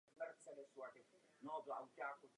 Z prvního manželství měl dvě děti.